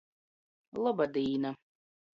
-Loba dīna!